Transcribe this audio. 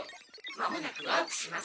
まもなくワープします」。